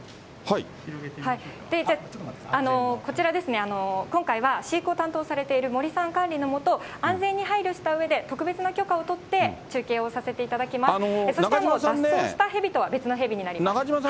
こちら、今回は飼育を担当されている森さん管理の下、安全に配慮したうえで特別な許可を取って、中継をさせていただきます。